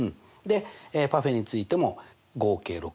でパフェについても合計６。